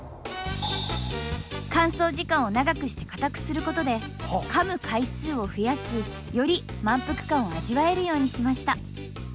乾燥時間を長くして固くすることでかむ回数を増やしより満腹感を味わえるようにしました。